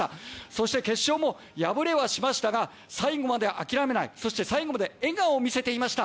そして決勝も敗れはしましたが最後まで諦めないそして最後まで笑顔を見せていました。